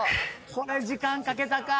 これ時間かけたか。